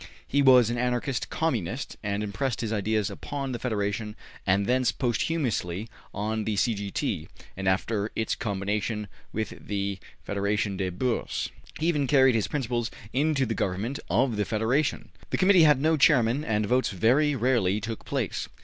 He was an Anarchist Communist and impressed his ideas upon the Federation and thence posthumously on the C. G. T. after its combination with the Federation des Bourses. He even carried his principles into the government of the Federation; the Committee had no chairman and votes very rarely took place.